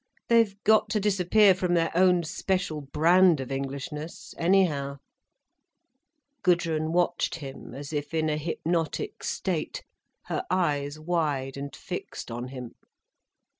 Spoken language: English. They've got to disappear from their own special brand of Englishness, anyhow." Gudrun watched him as if in a hypnotic state, her eyes wide and fixed on him.